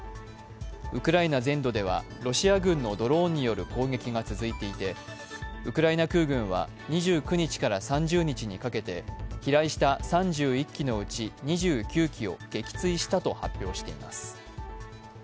ウクライナ全土ではロシア軍のドローンによる攻撃が続いていてウクライナ空軍は２９日から３０日にかけて飛来した３１機のうち２９機を撃墜したと発表しています。